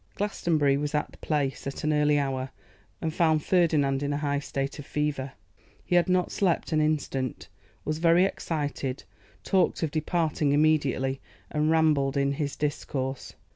Glastonbury was at the Place at an early hour, and found Ferdinand in a high state of fever. He had not slept an instant, was very excited, talked of departing immediately, and rambled in his discourse.